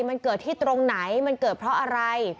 มันเกิดที่ตรงไหนมันเกิดเพราะอะไร